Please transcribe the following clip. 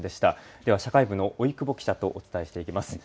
では社会部の老久保記者とお伝えしていきます。